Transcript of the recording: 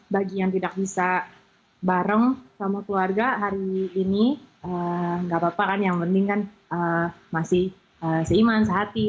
bagi yang tidak bisa bareng sama keluarga hari ini nggak apa apa kan yang penting kan masih seiman sehati